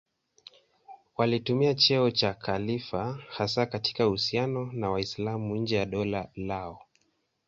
Walitumia cheo cha khalifa hasa katika uhusiano na Waislamu nje ya dola lao.